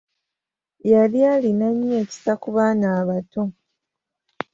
Yali lina nnyo ekisa ku baana abato.